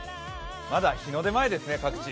まだ日の出前ですね、各地。